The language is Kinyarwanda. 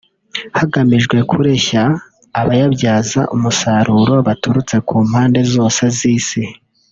hagamijwe kureshya abayabyaza umusaruro baturutse mu mpande zose z’isi